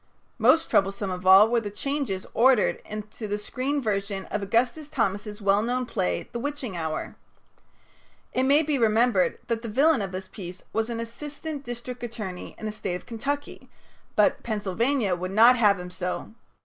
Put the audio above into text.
Most troublesome of all were the changes ordered into the screen version of Augustus Thomas's well known play "The Witching Hour." It may be remembered that the villain of this piece was an assistant district attorney in the State of Kentucky, but Pennsylvania would not have him so.